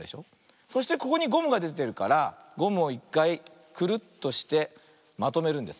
そしてここにゴムがでてるからゴムをいっかいクルッとしてまとめるんです。